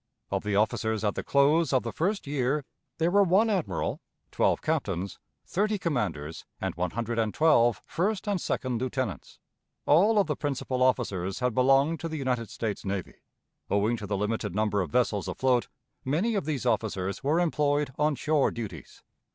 Of the officers at the close of the first year there were one admiral, twelve captains, thirty commanders, and one hundred and twelve first and second lieutenants. All of the principal officers had belonged to the United States Navy. Owing to the limited number of vessels afloat, many of these officers were employed on shore duties.